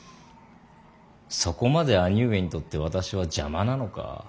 そこまで兄上にとって私は邪魔なのか。